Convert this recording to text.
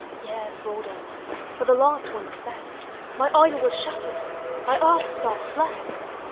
Years rolled on, but the last one sped — My idol was shattered, my earth star fled